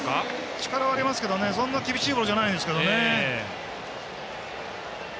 力はありますけどそんなに厳しいボールじゃないんですけどね。